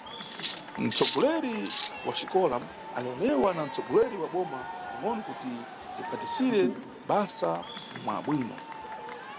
Nʼtsogoleri wa xikola alewalewa na nʼtsogoleri wa boma lingʼono kuti tiphatisire basa mwa bwino.